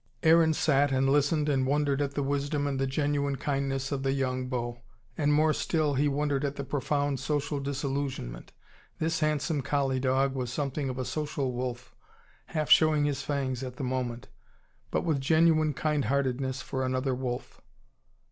Aaron sat and listened and wondered at the wisdom and the genuine kindness of the young beau. And more still, he wondered at the profound social disillusionment. This handsome collie dog was something of a social wolf, half showing his fangs at the moment. But with genuine kindheartedness for another wolf.